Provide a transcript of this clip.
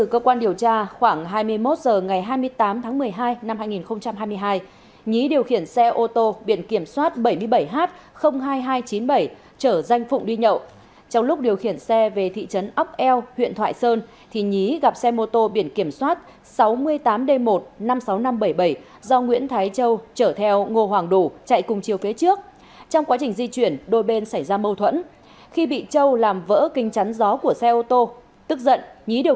cơ quan cảnh sát điều tra công an huyện thoại sơn tỉnh an giang vừa khởi tố bị can và bắt tạm giam hai bị can là nguyễn văn nhí